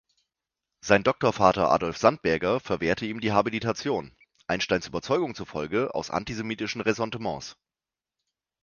Sein Doktorvater Adolf Sandberger verwehrte ihm die Habilitation, Einsteins Überzeugung zufolge aus antisemitischen Ressentiments.